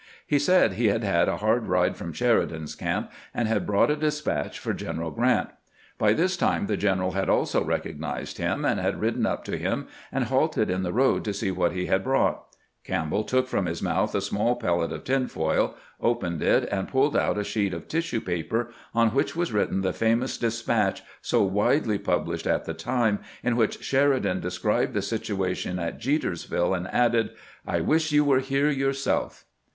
He said he had had a hard ride from Sheridan's camp, and had brought a despatch for G en eral Grrant. By this time the general had also recog nized him, and had ridden up to him and halted in the road to see what he had brought. Campbell took from his mouth a small pellet of tin foil, opened it, and pulled out a sheet of tissue paper, on which was written the famous despatch, so widely published at the time, in which Sheridan described the situation at JetersviEe, and added, "I wish you were here yourself."